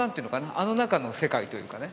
あの中の世界というかね